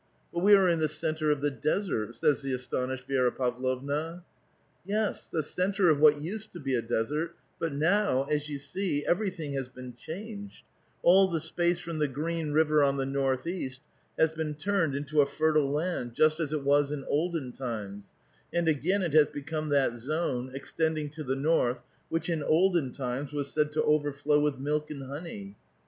" But we are in the centre of the desert," says the astonished Vi^ra Pavlovna. " Yes, the centre of what used to be a desert, but now, as you see, everything has been changed, all the space from the Green River on the northeast has been turned into a fer tile land, just as it was in olden times ; and again it has be come that zone, extending to the north, which in olden times was said to ' overllow with milk and honey.'